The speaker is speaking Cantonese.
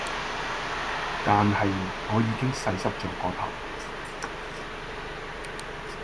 但係我已經洗濕咗個頭